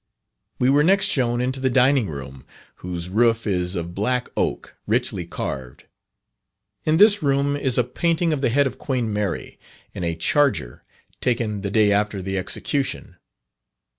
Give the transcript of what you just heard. We were next shown into the Dining room, whose roof is of black oak, richly carved. In this room is a painting of the head of Queen Mary, in a charger, taken the day after the execution.